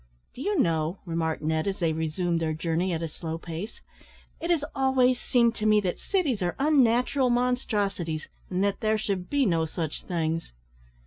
"Do you know," remarked Ned, as they resumed their journey at a slow pace, "it has always seemed to me that cities are unnatural monstrosities, and that there should be no such things!"